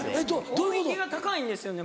音域が高いんですよね